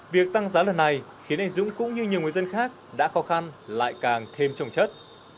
việc tăng giá lần này khiến anh dũng cũng như nhiều người dân khác đã khó khăn lại càng thêm trồng chất